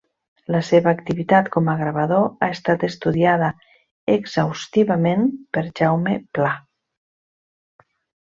La seva activitat com a gravador ha estat estudiada exhaustivament per Jaume Pla.